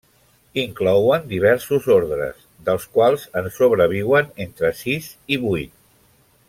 Inclouen diversos ordres, dels quals en sobreviuen entre sis i vuit.